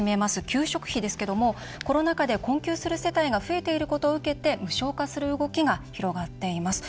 給食費ですけどもコロナ禍で困窮する世帯が増えていることを受けて無償化する動きが広がっています。